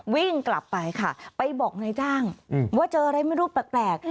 วิ่งกลับไปค่ะไปบอกนายจ้างว่าเจออะไรไม่รู้แปลก